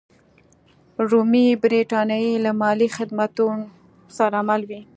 رومي برېټانیا له مالي خدماتو سره مل وه.